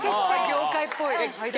業界っぽい。